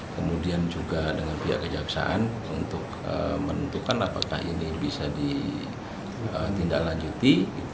kemudian juga dengan pihak kejaksaan untuk menentukan apakah ini bisa ditindaklanjuti